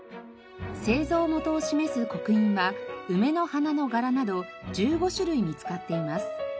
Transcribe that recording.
製造元を示す刻印は梅の花の柄など１５種類見つかっています。